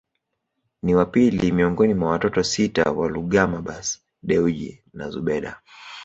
Ni wa pili miongoni mwa watoto sita wa Gulamabbas Dewji na Zubeda